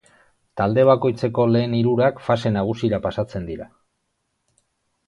Talde bakoitzeko lehen hirurak fase nagusira pasatzen dira.